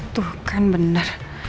tuh kan benar